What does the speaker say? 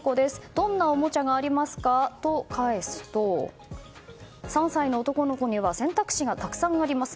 どんなおもちゃがありますか？と返すと３歳の男の子には選択肢がたくさんあります。